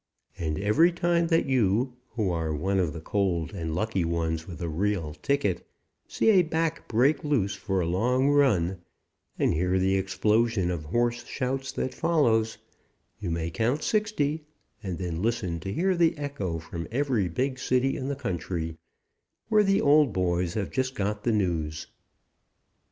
And every time that you, who are one of the cold and lucky ones with a real ticket, see a back break loose for a long run and hear the explosion of hoarse shouts that follows, you may count sixty and then listen to hear the echo from every big city in the country where the old boys have just got the news.